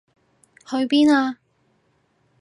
去邊啊？